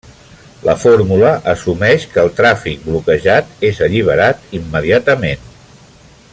La fórmula assumeix que el tràfic bloquejat és alliberat immediatament.